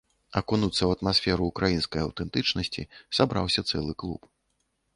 Акунуцца ў атмасферу ўкраінскай аўтэнтычнасці сабраўся цэлы клуб.